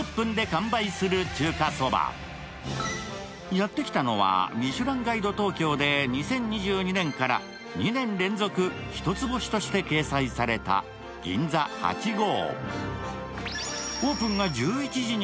やってきたのは、「ミシュランガイド東京」で２０２２年から２年連続一つ星として掲載された銀座八五。